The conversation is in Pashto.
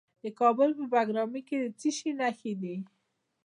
د کابل په بګرامي کې د څه شي نښې دي؟